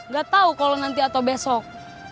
gak tau kalo nanti atau besok